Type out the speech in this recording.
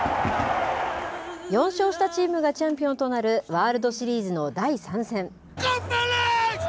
４勝したチームがチャンピオンとなる、ワールドシリーズの第３戦。